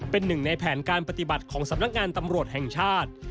เป็นหนึ่งในแผนการปฏิบัติของสำนักงานตำรวจแห่งชาติ